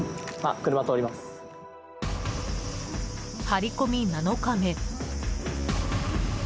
張り込み７日目。